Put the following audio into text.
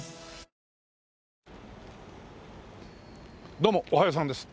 どうもおはようさんです。